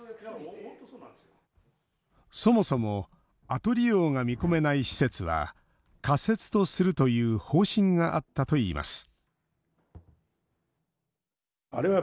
そもそも「後利用が見込めない施設は仮設とする」という方針があったといいます